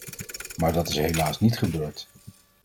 Maar dat is helaas niet gebeurd.